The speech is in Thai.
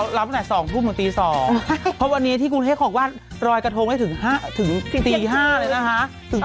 แล้วก็ที่ยังตรงนู้นเกื้อบคืนเดี๋ยวจบจากรายการก็จะไปเข้าร่วมประกวด